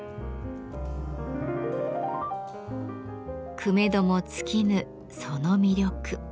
くめども尽きぬその魅力。